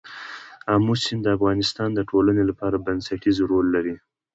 آمو سیند د افغانستان د ټولنې لپاره بنسټيز رول لري.